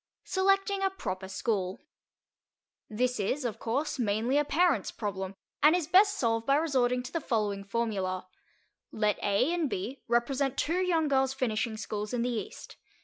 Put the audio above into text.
SELECTING A PROPER SCHOOL This is, of course, mainly a parent's problem and is best solved by resorting to the following formula: Let A and B represent two young girls' finishing schools in the East.